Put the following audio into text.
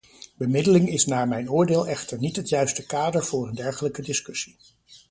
Bemiddeling is naar mijn oordeel echter niet het juiste kader voor een dergelijke discussie.